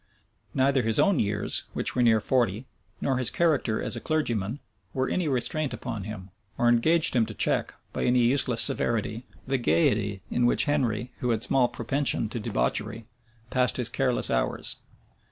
Neither his own years, which were near forty, nor his character of a clergyman, were any restraint upon him, or engaged him to check, by any useless severity, the gayety in which Henry, who had small propension to debauchery, passed his careless hours.